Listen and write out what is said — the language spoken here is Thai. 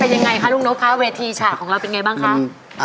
เป็นอย่างไรคะลุงนพคะเวทิฉากของเราเป็นยังไงบ้างคะ